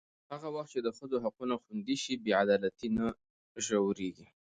هغه وخت چې د ښځو حقونه خوندي شي، بې عدالتي نه ژورېږي.